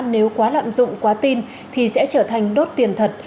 nếu quá lạm dụng quá tin thì sẽ trở thành đốt tiền thật